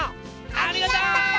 ありがとう！